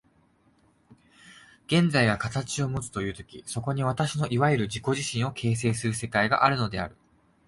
現在が形をもつという時、そこに私のいわゆる自己自身を形成する世界があるのである。